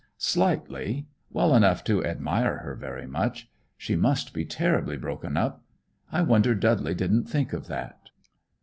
"Slightly. Well enough to admire her very much. She must be terribly broken up. I wonder Dudley didn't think of that."